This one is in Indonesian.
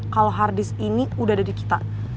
kalau harddisk ini udah ada di kita